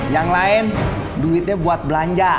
yang lain duitnya buat belanja